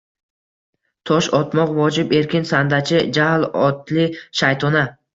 Tosh otmoq vojib erkan sandachi jahl otli shaytona